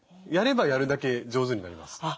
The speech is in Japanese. やればやるだけ上手になります。